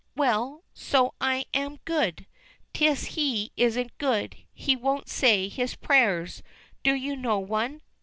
"Well, so I am good. 'Tis he isn't good. He won't say his prayers. Do you know one?"